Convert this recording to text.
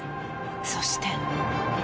そして。